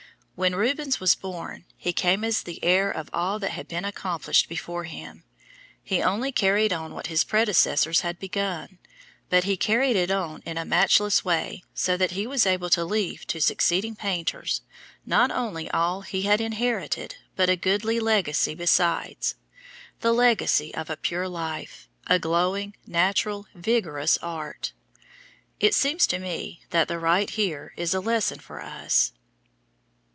When Rubens was born he came as the heir of all that had been accomplished before him. He only carried on what his predecessors had begun, but he carried it on in a matchless way so that he was able to leave to succeeding painters not only all he had inherited, but a goodly legacy besides the legacy of a pure life, a glowing, natural, vigorous art. It seems to me that right here is a lesson for us.